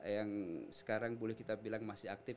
yang sekarang boleh kita bilang masih aktif